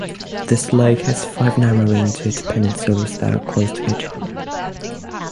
This lake has five narrowing due to peninsulas that are close to each other.